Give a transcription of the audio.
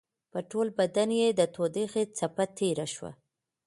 په ټول بدن يې د تودوخې څپه تېره شوه.